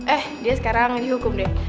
eh dia sekarang dihukum deh